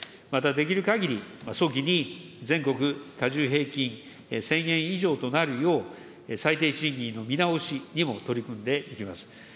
またできるかぎり、早期に全国加重平均１０００円以上となるよう、最低賃金の見直しにも取り組んでいきます。